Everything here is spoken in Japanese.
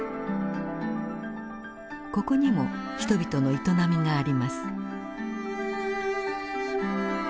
ここにも人々の営みがあります。